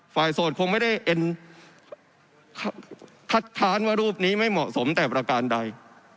โสดคงไม่ได้เอ็นคัดค้านว่ารูปนี้ไม่เหมาะสมแต่ประการใด